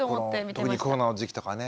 特にコロナの時期とかね